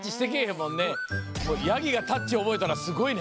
もうヤギがタッチおぼえたらすごいね。